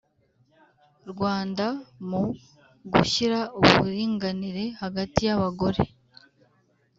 Rwanda mu gushyira uburinganire hagati y abagore